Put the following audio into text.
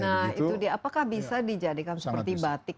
nah itu dia apakah bisa dijadikan seperti batik